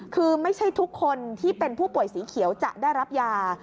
คือไม่ใช่ทุกคนที่เป็นผู้ป่วยสีเขียวจะได้รับยา